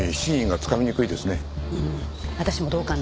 うん。